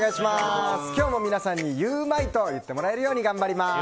今日も皆さんにゆウマいと言ってもらえるように頑張ります！